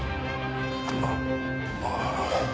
あっああ